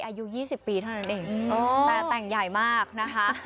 อายุ๒๐ปีเท่านั้นเองแต่แต่งใหญ่มากนะคะ